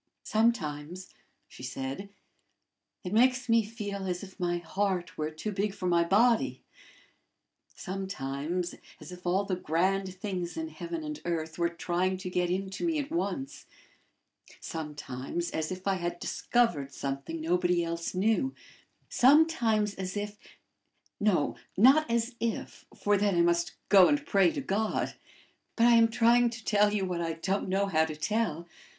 "Sometimes," she said, "it makes me feel as if my heart were too big for my body; sometimes as if all the grand things in heaven and earth were trying to get into me at once; sometimes as if I had discovered something nobody else knew; sometimes as if no, not as if, for then I must go and pray to God. But I am trying to tell you what I don't know how to tell.